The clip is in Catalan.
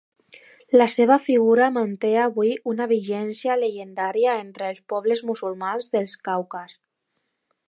La seva figura manté avui una vigència llegendària entre els pobles musulmans del Caucas.